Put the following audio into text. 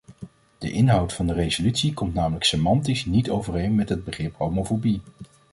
De inhoud van de resolutie komt namelijk semantisch niet overeen met het begrip homofobie.